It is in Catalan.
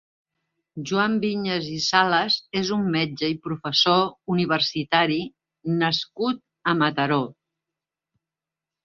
Joan Viñas i Salas és un metge i professor universitari nascut a Mataró.